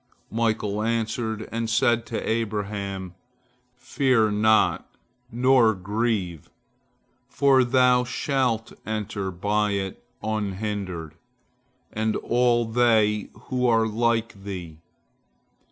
Michael answered, and said to Abraham, "Fear not, nor grieve, for thou shalt enter by it unhindered, and all they who are like thee."